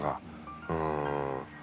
うん。